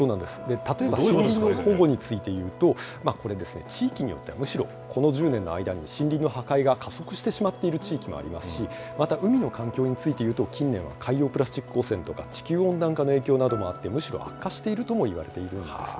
例えば、森林の保護についていうと、これ、地域によってはむしろこの１０年の間に、森林の破壊が加速してしまっている地域もありますし、また、海の環境について言うと、近年は海洋プラスチック汚染とか、地球温暖化の影響などもあって、むしろ悪化しているともいわれているんですね。